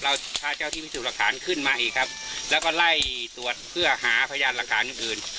พาเจ้าที่พิสูจน์หลักฐานขึ้นมาอีกครับแล้วก็ไล่ตรวจเพื่อหาพยานหลักฐานอื่นอื่น